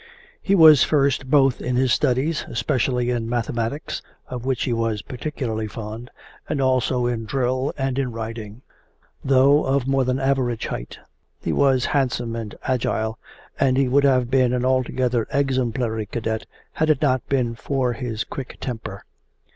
He was first both in his studies especially in mathematics, of which he was particularly fond and also in drill and in riding. Though of more than average height, he was handsome and agile, and he would have been an altogether exemplary cadet had it not been for his quick temper.